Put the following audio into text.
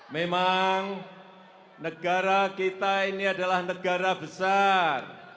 memang negara kita ini adalah negara besar